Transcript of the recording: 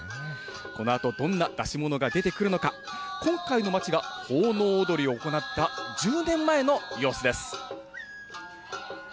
このあとどんな出し物が出てくるのか、今回の町が奉納踊を行った１０年前の様子です。